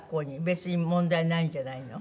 別に問題ないんじゃないの？